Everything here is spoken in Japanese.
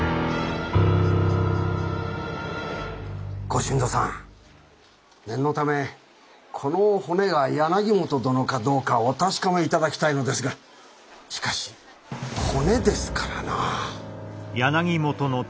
ご新造さん念のためこの骨が柳本殿かどうかお確かめ頂きたいのですがしかし骨ですからなぁ。